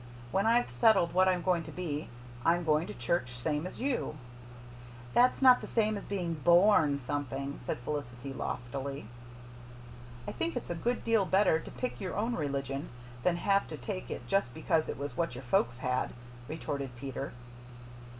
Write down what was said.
When I've settled what I'm to be I'm going to church same as you." "That's not the same as being BORN something," said Felicity loftily. "I think it's a good deal better to pick your own religion than have to take it just because it was what your folks had," retorted Peter.